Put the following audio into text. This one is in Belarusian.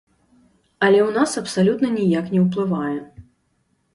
Але ў нас абсалютна ніяк не ўплывае.